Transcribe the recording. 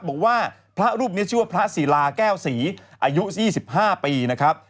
บอกว่าพระรูปนี้ชื่อว่าพระศิลาแก้วศรีอายุ๒๕ปีนะครับ